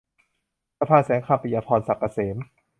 สะพานแสงคำ - ปิยะพร ศักดิ์เกษม